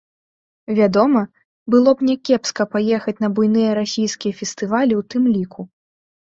Вядома, было б някепска паехаць на буйныя расійскія фестывалі ў тым ліку.